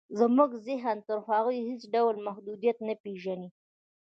زموږ ذهن تر هغو هېڅ ډول محدودیت نه پېژني